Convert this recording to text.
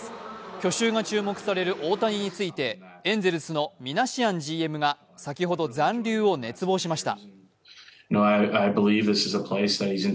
去就が注目される大谷についてエンゼルスのミナシアンＧＭが先ほど残留を熱望しました。